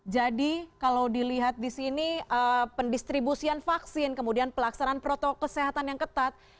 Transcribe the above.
jadi kalau dilihat di sini pendistribusian vaksin kemudian pelaksanaan protokol kesehatan yang ketat